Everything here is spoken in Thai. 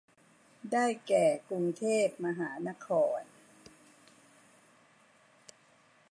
ได้แก่กรุงเทพมหานคร